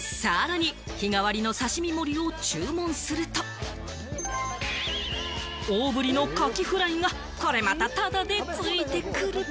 さらに、日替わりの刺し身盛りを注文すると、大振りのカキフライが、これまたタダでついてくる。